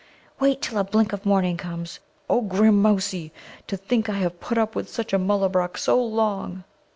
Wait till a blink of morning comes! Oh, grammousie, to think I have put up with such a Mullabruk so long!"